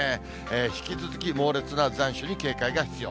引き続き猛烈な残暑に警戒が必要。